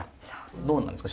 どうなんですか？